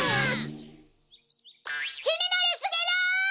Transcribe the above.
きになりすぎる！